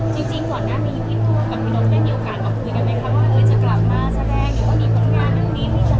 จริงก่อนหน้ามีพี่ตัวกับพี่น้อง